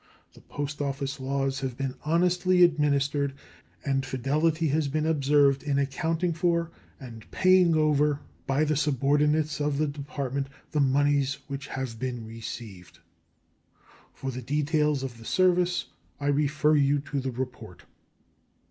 The post office laws have been honestly administered, and fidelity has been observed in accounting for and paying over by the subordinates of the Department the moneys which have been received. For the details of the service I refer you to the report.